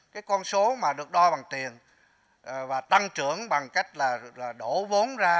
cái con số mà được đo bằng tiền và tăng trưởng bằng cách là đổ vốn ra